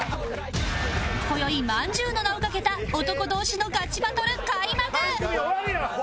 今宵まんじゅうの名を懸けた男同士のガチバトル開幕